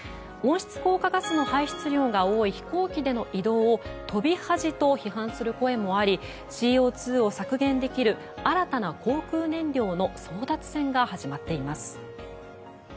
温室効果ガスの排出量が多い飛行機での移動を飛び恥と批判する声もありＣＯ２を削減できる新たな航空燃料の争奪戦が始まっています。